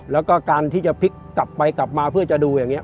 แล้วก็การที่จะพลิกกลับไปกลับมาเพื่อจะดูอย่างนี้